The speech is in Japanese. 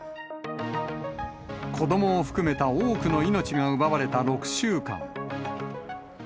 子どもを含めた多くの命が奪われた６週間。